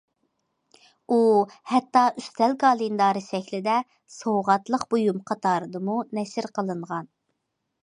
ئۇ ھەتتا ئۈستەل كالېندارى شەكلىدە سوۋغاتلىق بۇيۇم قاتارىدىمۇ نەشر قىلىنغان.